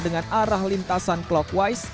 dengan arah lintasan clockwise